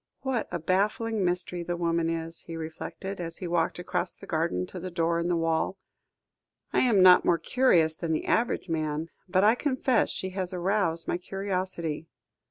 "What a baffling mystery the woman is," he reflected, as he walked across the garden to the door in the wall. "I am not more curious than the average man, but I confess she has aroused my curiosity.